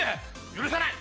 許さない！